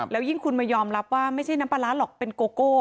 แล้วยิ่งคุณมายอมรับว่าไม่ใช่น้ำปลาร้าหรอกเป็นโกโก้